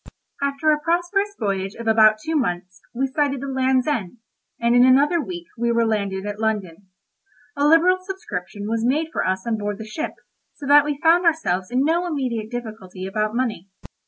After a prosperous voyage of about two months, we sighted the Land's End, and in another week we were landed at London. A liberal subscription was made for us on board the ship, so that we found ourselves in no immediate difficulty about money.